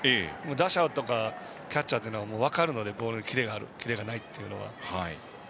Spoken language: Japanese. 打者とかキャッチャーは分かるのでボールのキレがあるないというのが。